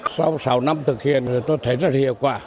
sau sáu năm thực hiện thì tôi thấy rất hiệu quả